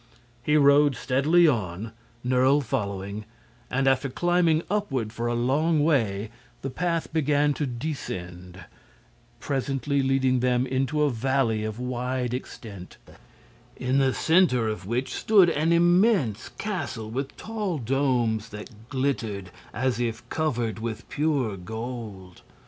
He rode steadily on, Nerle following, and after climbing upward for a long way the path began to descend, presently leading them into a valley of wide extent, in the center of which stood an immense castle with tall domes that glittered as if covered with pure gold.